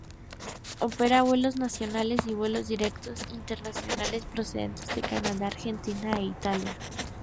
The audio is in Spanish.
Opera vuelos nacionales y vuelos directos internacionales procedentes de Canadá, Argentina e Italia.